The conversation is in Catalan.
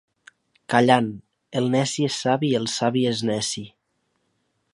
Callant, el neci és savi i el savi és neci.